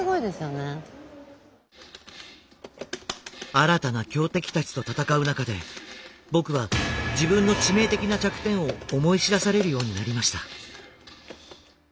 新たな強敵たちと戦う中で僕は自分の致命的な弱点を思い知らされるようになりました。